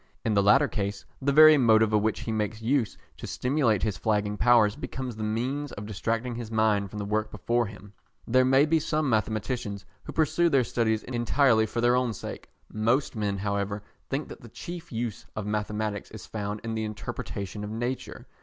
In the latter case the very motive of which he makes use to stimulate his flagging powers becomes the means of distracting his mind from the work before him. There may be some mathematicians who pursue their studies entirely for their own sake. Most men, however, think that the chief use of mathematics is found in the interpretation of nature.